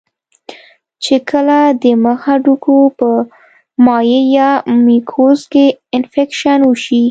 چې کله د مخ د هډوکو پۀ مائع يا ميوکس کې انفکشن اوشي